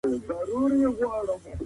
د پکتیکا مرکزي ښار ښرنه دی.